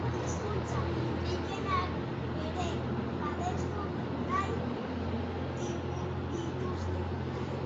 Hizkuntza indigenak ere babestu nahi dituzte.